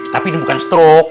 tapi ini bukan strok